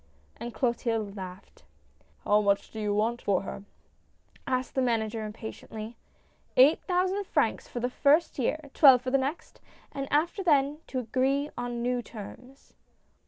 * And Clotilde laughed. 100 SIGNING THE CONTRACT. " How much do you want for her ?" asked the manar ger, impatiently. " Eight thousand francs for the first year, twelve for for the next, and after then to agree on new terms."